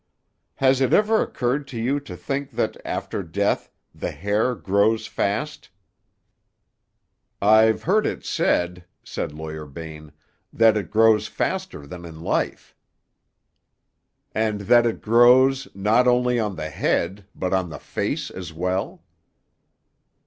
"Has it ever occurred to you to think that, after death, the hair grows fast?" "I've heard it said," said Lawyer Bain, "that it grows faster than in life." "And that it grows, not only on the head, but on the face as well?"